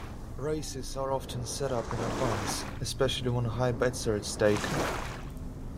Races are often set up in advance, especially when high bets are at stake.